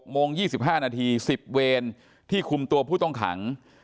โมง๒๕นาที๑๐เวรที่คุมตัวผู้ต้องขัง